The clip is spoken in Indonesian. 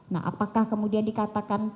nah apakah kemudian dikatakan